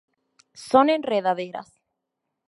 Son enredaderas.